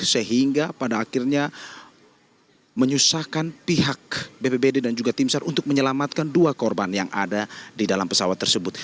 sehingga pada akhirnya menyusahkan pihak bpbd dan juga tim sar untuk menyelamatkan dua korban yang ada di dalam pesawat tersebut